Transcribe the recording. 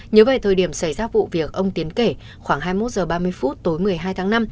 nhớ về thời điểm xảy ra vụ việc ông tiến kể khoảng hai mươi một h ba mươi phút tối một mươi hai tháng năm